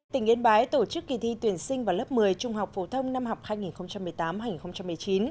tỉnh yên bái tổ chức kỳ thi tuyển sinh vào lớp một mươi trung học phổ thông năm học hai nghìn một mươi tám hai nghìn một mươi chín